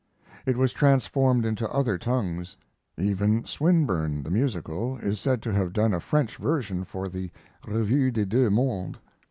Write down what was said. It was transformed into other tongues. Even Swinburne, the musical, is said to have done a French version for the 'Revue des deux mondes'.